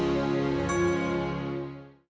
setelah kekuranganegtaran nelpon itu